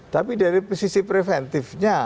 tapi dari sisi preventifnya